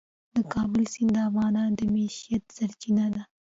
د کابل سیند د افغانانو د معیشت سرچینه ده.